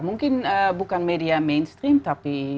mungkin bukan media mainstream tapi